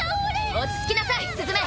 落ち着きなさい雀！